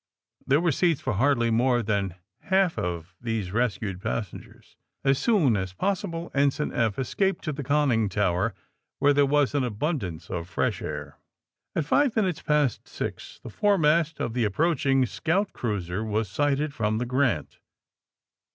There were seats for hardly more than half of these rescued passengers. As soon as possible Ensign Eph escaped to the conning tower, where there was an abund ance of fresh air. At '^YQ minutes past six the foremast of the approaching scout cruiser was sighted from the *^ Grant.''